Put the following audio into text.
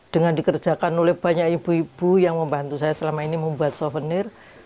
dengan dikerjakan oleh banyak ibu ibu yang membantu saya selama ini membuat souvenir